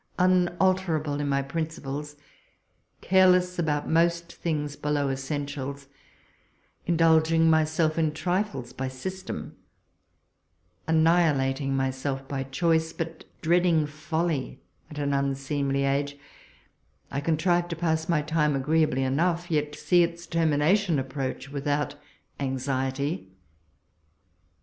Unalterable in my principles, careless about most things below essentials, indulging myself in trifles by system, annihilating myself by choice, but dreading folly at an unseemly age, I contrive to pass my time agreeably enough, yet see its termination approach without anxiety.